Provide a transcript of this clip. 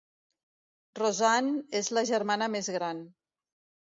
Rosanne és la germana més gran.